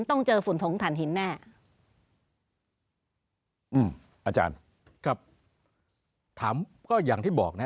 ต้องเจอฝุ่นผงถ่านหินแน่อืมอาจารย์ครับถามก็อย่างที่บอกนะ